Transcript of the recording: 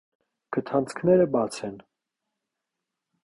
Քթանցքները բաց են։